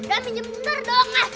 udah pinjam bentar dong